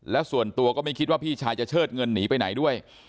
และส่วนตัวก็ไม่คิดว่าพี่ชายจะเชิดเงินหนีไปไหนด้วย